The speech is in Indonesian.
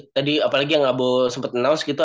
tadi apalagi yang abu sempat announce gitu